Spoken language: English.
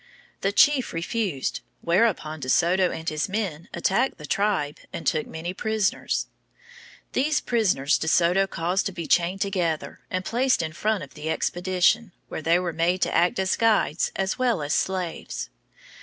The chief refused; whereupon De Soto and his men attacked the tribe and took many prisoners. These prisoners De Soto caused to be chained together and placed in front of the expedition, where they were made to act as guides as well as slaves.